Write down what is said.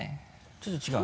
ちょっと違う？